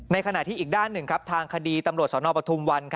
ในขณะที่อีกด้านหนึ่งครับทางคดีสลผทวัน